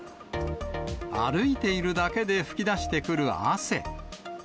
歩いているだけで噴き出してくる汗。